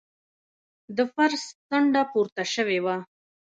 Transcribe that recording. د فرش څنډه پورته شوې وه.